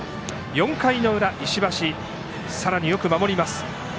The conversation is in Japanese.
４回の裏、石橋はさらによく守りました。